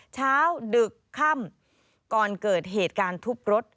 เช้าดึกค่ำก่อนเกิดเหตุการณ์ทุบรถ